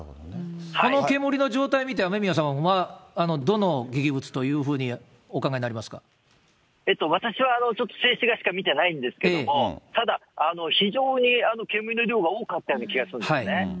この煙の状態見て、雨宮さんはどの劇物というふうにお考えに私はちょっと静止画しか見てないんですけれども、ただ非常に煙の量が多かったような気がするんですね。